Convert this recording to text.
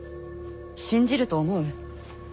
信じると思う？